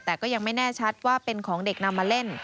แต่ก็ยังไม่แน่ชัดว่าเป็นของเด็กนำมาเล่น